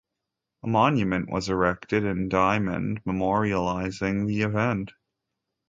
A monument was erected in Diamond memorializing the event.